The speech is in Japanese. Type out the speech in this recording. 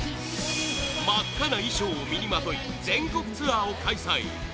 真っ赤な衣装を身にまとい全国ツアーを開催